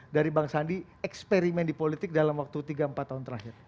dari bang sandi eksperimen di politik dalam waktu tiga empat tahun terakhir